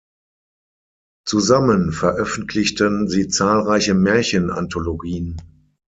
Zusammen veröffentlichten sie zahlreiche Märchen-Anthologien.